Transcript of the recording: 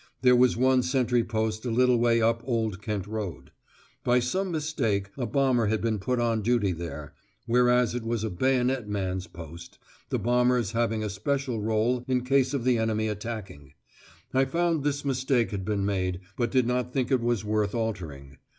There was one sentry post a little way up Old Kent Road; by some mistake a bomber had been put on duty there, whereas it was a bayonet man's post, the bombers having a special rôle in case of the enemy attacking. I found this mistake had been made, but did not think it was worth altering.